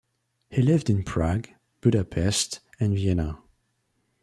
He lived in Prague, Budapest, and Vienna.